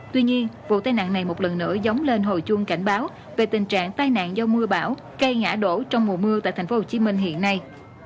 tuy nhiên vụ tai nạn này một lần nữa dóng lên hồi chuông cảnh báo về tình trạng tai nạn do mưa bão cây ngã đổ trong mùa mưa tại tp hcm hiện nay